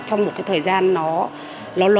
trong một cái thời gian nó